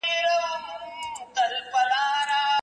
د دې قام په نصیب شپې دي له سبا څخه لار ورکه